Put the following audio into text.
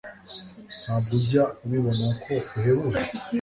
ntabwo ujya ubibona ko uhebuje